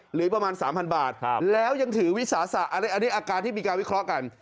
หรือประมาณ๓๐๐บาทแล้วยังถือวิสาสะอันนี้อาการที่มีการวิเคราะห์กัน